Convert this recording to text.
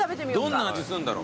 どんな味すんだろ。